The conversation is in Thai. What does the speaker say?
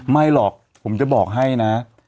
ไม่หรอกผมจะบอกให้นะ